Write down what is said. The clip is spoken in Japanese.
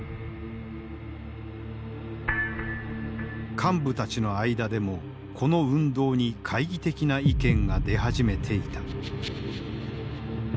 幹部たちの間でもこの運動に懐疑的な意見が出始めていた。